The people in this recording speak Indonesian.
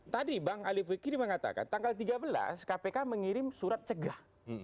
tadi bang ali fikri mengatakan tanggal tiga belas kpk mengirim surat cegah